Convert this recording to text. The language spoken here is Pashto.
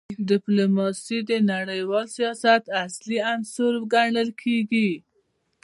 ډیپلوماسي د نړیوال سیاست اصلي عنصر ګڼل کېږي.